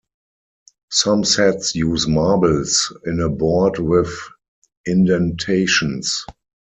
Some sets use marbles in a board with indentations.